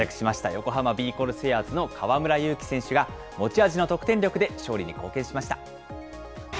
横浜ビー・コルセアーズの河村勇輝選手が、持ち味の得点力で勝利に貢献しました。